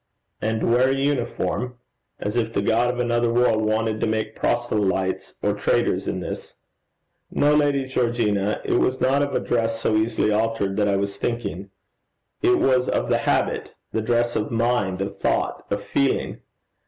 'And wear a uniform? as if the god of another world wanted to make proselytes or traitors in this! No, Lady Georgina, it was not of a dress so easily altered that I was thinking; it was of the habit, the dress of mind, of thought, of feeling.